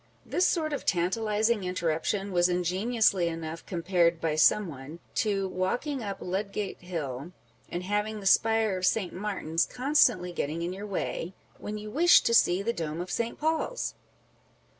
This sort of tantalizing interruption was ingeniously enough compared by some one, to walking up Ludgate hill, and having the spire of St. Martin's constantly getting in your way, when you wish to see the dome of St. Paul's